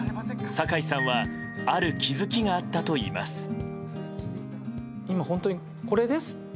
堺さんはある気づきがあったといいます。